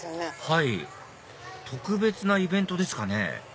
はい特別なイベントですかね？